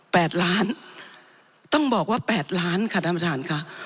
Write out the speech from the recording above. แปดล้านต้องบอกว่าแปดล้านค่ะท่านประธานค่ะ